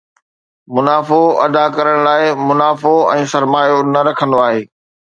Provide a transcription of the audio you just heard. منافعو ادا ڪرڻ لاءِ منافعو ۽ سرمايو نه رکندو آھي